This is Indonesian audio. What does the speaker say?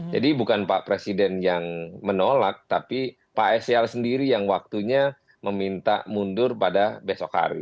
jadi bukan pak presiden yang menolak tapi pak sel sendiri yang waktunya meminta mundur pada besok hari